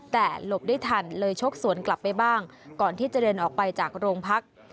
แต่หลบได้ทันเลยชกสวนกลับไปบ้างก่อนที่จะเดินออกไปจากโรงพัก